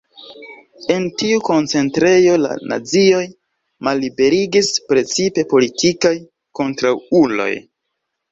En tiu koncentrejo la nazioj malliberigis precipe politikaj kontraŭuloj.